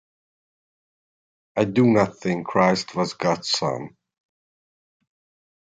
I do not think Christ was God's son.